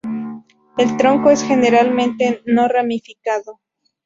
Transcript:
El tronco es generalmente no ramificado.